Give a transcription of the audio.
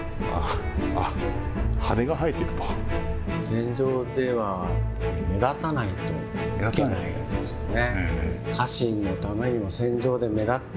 戦場では目立たないといけないですよね。